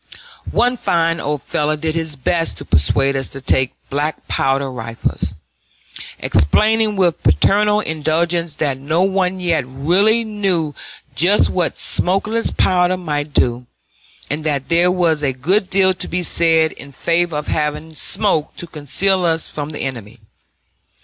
One fine old fellow did his best to persuade us to take black powder rifles, explaining with paternal indulgence that no one yet really knew just what smokeless powder might do, and that there was a good deal to be said in favor of having smoke to conceal us from the enemy.